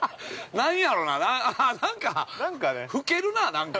なんやろな、なんかふけるな、なんか。